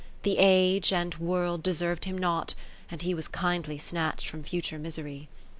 The Age and World deserv'd him not, and he Was kindly snatch'd from future misery.